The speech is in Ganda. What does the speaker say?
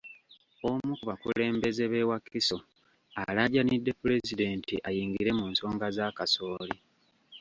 Omu ku bakulembeze b'e Wakiso alaajanidde Pulezidenti ayingire mu nsonga za kasooli.